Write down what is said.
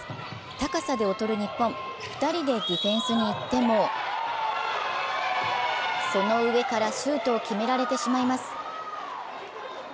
高さで劣る日本、２人でディフェンスに行ってもその上からシュートを決められてしまいます。